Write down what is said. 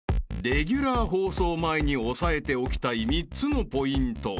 ［レギュラー放送前に押さえておきたい３つのポイント］